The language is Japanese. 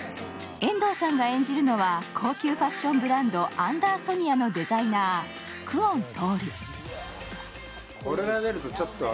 遠藤さんが演じるのは高級ファッションブランドアンダーソニアのデザイナー・久遠徹。